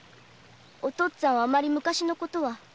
お父っつぁんはあまり昔の事は。